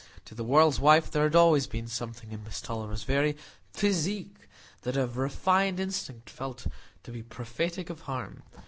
To the world's wife there had always been something in Miss Tulliver's very physique that a refined instinct felt to be prophetic of harm.